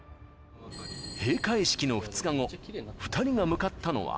閉会式の２日後、２人が向かったのは。